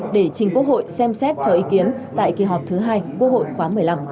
để trình quốc hội xem xét cho ý kiến tại kỳ họp thứ hai quốc hội khóa một mươi năm